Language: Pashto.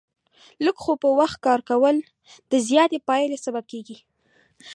لږ خو په وخت کار کول، د زیاتې پایلې سبب کېږي.